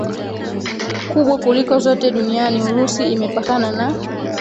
kubwa kuliko zote duniani Urusi imepakana na